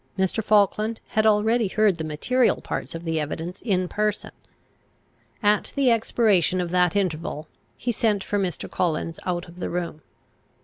Mr. Falkland had already heard the material parts of the evidence in person. At the expiration of that interval, he sent for Mr. Collins out of the room.